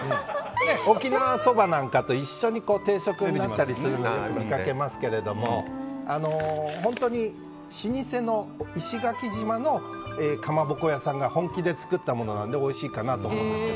沖縄そばなんかと一緒に定食になっているのを見かけますけど本当に老舗の石垣島のかまぼこ屋さんが本気で作ったものなのでおいしいと思います。